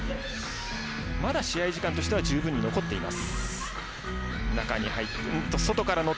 まだ試合時間としては十分に残っています。